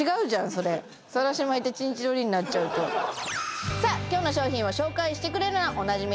それさらし巻いてチンチロリンになっちゃうとさあ今日の商品を紹介してくれるのはおなじみ